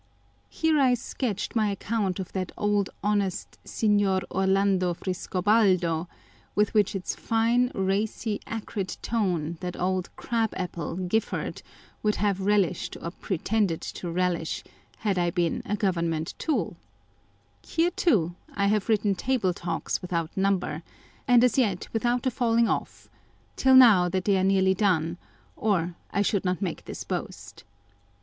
Here I sketched my account of that old honest Signior Orlando Friscobaldo,3 which with its fine, racy, acrid tone that old crab apple, Gilford, would have relished or pre tended to relish, had I been a Government tool ! Here, too, I have written Table Talks without number, and as yet without a falling off, till now that they are nearly done, or I should not make this boast.